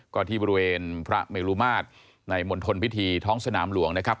ก็ที่บริเวณพระเมลุมาตรในมณฑลพิธีท้องสนามหลวงนะครับ